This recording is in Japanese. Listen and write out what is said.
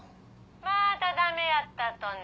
またダメやったとね。